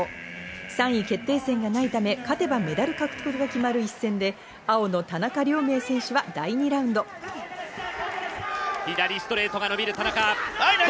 ３位決定戦がないため、勝てばメダル獲得が決まる一戦で左ストレートが伸びる田中。